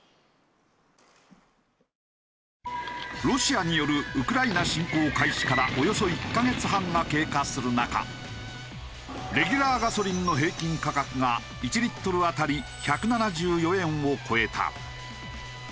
ロシアによるウクライナ侵攻開始からおよそ１カ月半が経過する中レギュラーガソリンの平均価格が１リットルあたり１７４円を超えた。